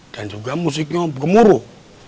dan juga musiknya gemuruh